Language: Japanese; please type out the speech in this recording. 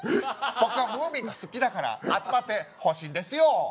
僕はムーミンが好きだから集まってほしいんですよ